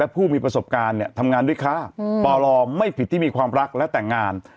ผู้มีประสบการณ์ทำงานด้วยค่ะปรไม่ผิดที่มีความรักและแต่งงาน